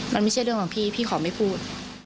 มันไม่ใช่เรื่องของพี่พี่ขอไม่พูด